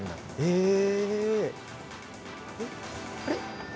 へえ。